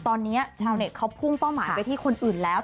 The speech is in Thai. ตอนนี้ชาวเน็ตเขาพุ่งเป้าหมายไปที่คนอื่นแล้ว